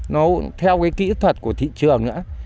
nó theo cái kỹ thuật của thị trường nữa